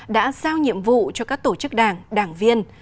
đã giao nhiệm vụ cho các tổ chức đảng đảng viên